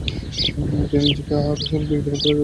তিনি নিজেকে আরো শৈল্পিক জীবনধারায় জড়িয়ে ফেলেন।